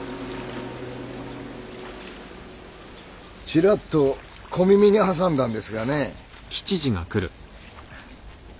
ちらっと小耳に挟んだんですがね。